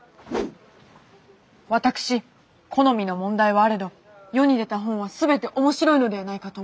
私好みの問題はあれど世に出た本は全て面白いのではないかと思っています。